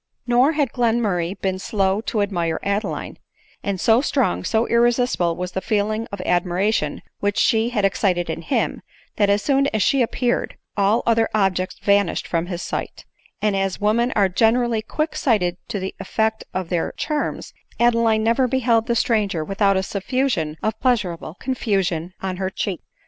Nor had Glenmurray been slow to admire Adeline ; and so strong, so irresistible was the feeling of admiration which she had excited in him, that as soon as she appear ed, all other objects vanished from his sight ; and as wo men are generally quick sighted to the effect of their charms, Adeline never beheld the stranger without a suf fusion of pleasurable confusion on her cheek.